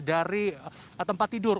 dari tempat tidur